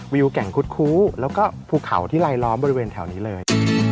วิวแก่งคุดคู้แล้วก็ภูเขาที่ลายล้อมบริเวณแถวนี้เลย